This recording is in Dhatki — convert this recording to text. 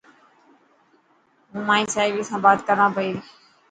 هون مائي سهيلي سان بات ڪران پئي.